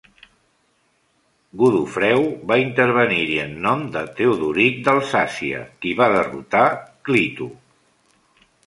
Godofreu va intervenir-hi en nom de Teodoric d'Alsàcia, qui va derrotar Clito.